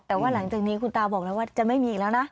แต่ว่าหลังจากนี้คุณตาบอกแล้วว่าจะไม่มีอีกแล้วนะ